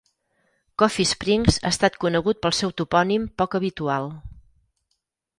Coffee Springs ha estat conegut pel seu topònim poc habitual.